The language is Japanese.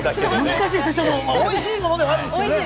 おいしいものではあるんですけれどもね。